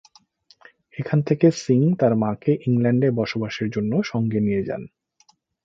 এখান থেকে সিং তার মাকে ইংল্যান্ডে বসবাসের জন্য সঙ্গে নিয়ে যান।